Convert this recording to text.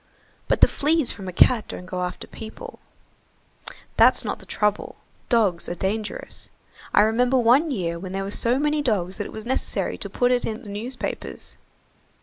"But the fleas from a cat don't go after people." "That's not the trouble, dogs are dangerous. I remember one year when there were so many dogs that it was necessary to put it in the newspapers.